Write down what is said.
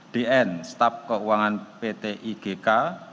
dn staf keuangan ptigk